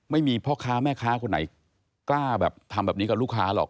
ไม่มีพ่อค้าแม่ค้าคนไหนกล้าแบบทำแบบนี้กับลูกค้าหรอก